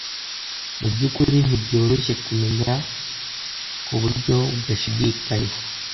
Mu byukuri ntibyoroshye kumenya ku buryo budashidikanywa